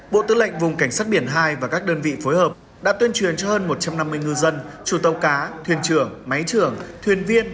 bộ tư lệnh vùng cảnh sát biển hai và các đơn vị phối hợp đã tuyên truyền cho hơn một trăm năm mươi ngư dân chủ tàu cá thuyền trưởng máy trưởng thuyền viên